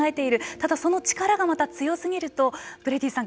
ただその力がまた強すぎるとブレイディさん